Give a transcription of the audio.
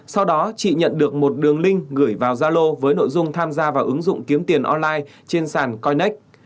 sau đó chị nhận được một đường link gửi vào gia lô với nội dung tham gia vào ứng dụng kiếm tiền online trên sàn coinex